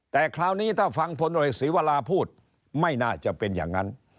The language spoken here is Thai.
แต่คราวนี้ถ้าฟังผลเอกศีวราพูดไม่น่าจะเป็นอย่างนั้น